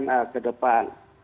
kalau kita ke depan